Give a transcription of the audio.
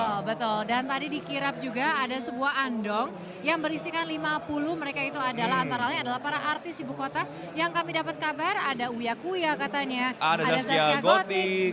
oh betul dan tadi dikirap juga ada sebuah andong yang berisikan lima puluh mereka itu adalah antara lain adalah para artis ibu kota yang kami dapat kabar ada uya kuya katanya ada zazkia gotin